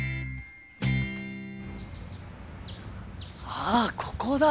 あっここだ！